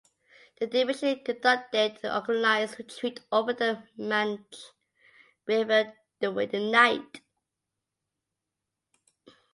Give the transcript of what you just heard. The division conducted an organized retreat over the Manych river during the night.